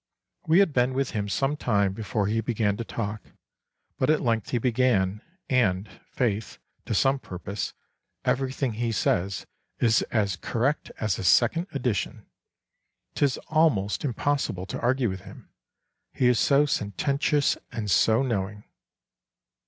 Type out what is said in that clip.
We had been with him some time before he began to talk, but at length he began, and, faith, to some purpose; everything he says is as correct as a second edition; 'tis almost impossible to argue with him, he is so sententious and so knowing."